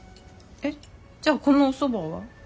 えっじゃあこのおそばは？